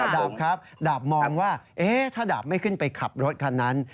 ดาบครับดาบมองว่าถ้าดาบไม่ขึ้นไปขับรถคันนั้น